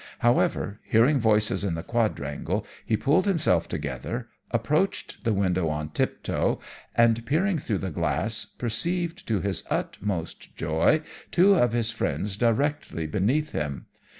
However, hearing voices in the quadrangle, he pulled himself together, approached the window on tiptoe, and, peering through the glass, perceived to his utmost joy two of his friends directly beneath him.